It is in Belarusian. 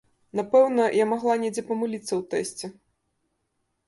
Напэўна, я магла недзе памыліцца ў тэсце.